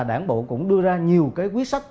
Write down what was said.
đảng bộ cũng đưa ra nhiều cái quyết sắc